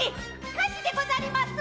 火事でござります‼